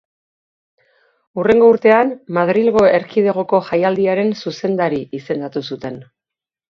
Hurrengo urtean Madrilgo Erkidegoko Jaialdiaren zuzendari izendatu zuten.